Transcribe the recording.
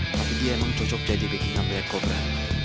tapi dia emang cocok jadi bikinan black cobra